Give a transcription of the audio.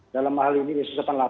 dalam hal ini di enam puluh delapan